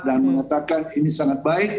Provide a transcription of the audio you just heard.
dan mengatakan ini sangat baik